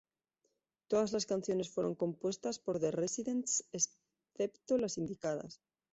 Todas las canciones fueron compuestas por The Residents excepto las indicadas.